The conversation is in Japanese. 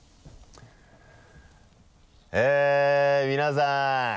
えっ皆さん。